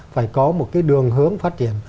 phải có một cái đường hướng phát triển